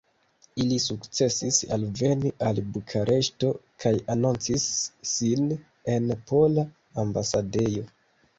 Ili sukcesis alveni al Bukareŝto kaj anoncis sin en Pola Ambasadejo.